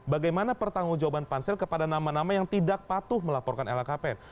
bagaimana pertanggung jawaban pansel kepada nama nama yang tidak patuh melaporkan lhkpn